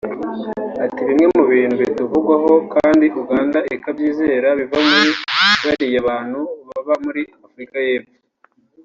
Ati “Bimwe mu bintu bituvugwaho kandi Uganda ikabyizera biva muri bariya bantu baba muri Afurika y’Epfo